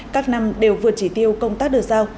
các năm đều vượt chỉ tiêu công tác được giao